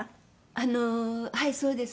あのはいそうです。